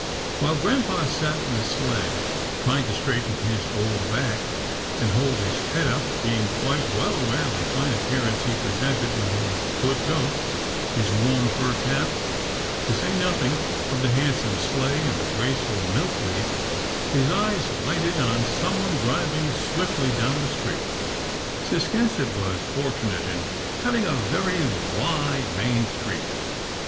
While grampa sat in the sleigh, trying to straighten his old back, and hold his head up, being quite well aware of the fine appearance he pre sented in his good coat, his warm fur cap, to say nothing of the handsome sleigh and the graceful Milkweed, his eyes lighted on someone driving swiftly down the street, Ciscasset was fortunate in having a very wide 138 'TILDA JANE'S ORPHANS main street.